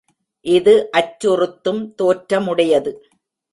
இது அச்சுறுத்தும் தோற்றமுடையது.